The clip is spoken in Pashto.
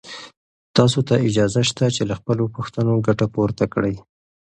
تاسو ته اجازه شته چې له خپلو پوښتنو ګټه پورته کړئ.